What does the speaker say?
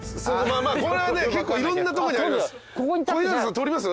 まあこれはね結構いろんなとこにあります。